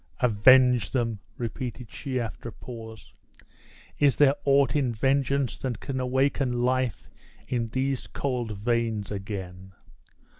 "Avenge them!" repeated she, after a pause; "is there aught in vengeance that can awaken life in these cold veins again?